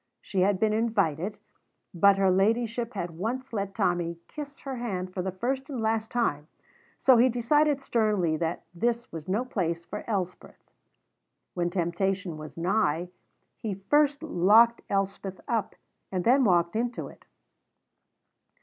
She had been invited, but her ladyship had once let Tommy kiss her hand for the first and last time, so he decided sternly that this was no place for Elspeth. When temptation was nigh, he first locked Elspeth up, and then walked into it.